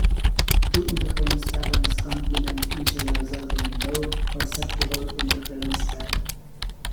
The two interference patterns complement each other, resulting in no perceptible interference pattern.